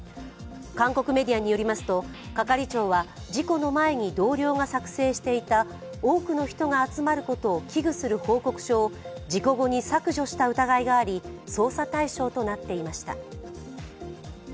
韓国メディアによりますと係長は事故の前に同僚が作成していた多くの人が集まることを危惧する報告書を事故後に削除した疑いがあり、捜査対象となっていました。